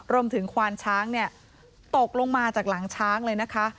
ควานช้างตกลงมาจากหลังช้างเลยนะคะ